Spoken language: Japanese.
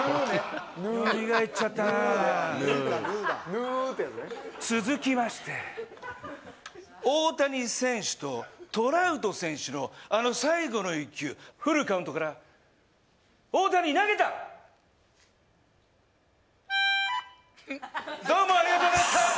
ヌーってやつね続きまして大谷選手とトラウト選手のあの最後の１球フルカウントから大谷投げたどうもありがとうございました